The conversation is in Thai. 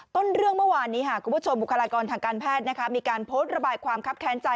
ต้นเรื่องเมื่อวานนี้คุณผู้ชมบุคลากรทางการแพทย์มีการโพสต์ระบายความคับแค้นใจ